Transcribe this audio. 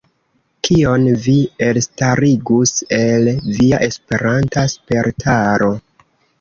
Kion vi elstarigus el via Esperanta spertaro?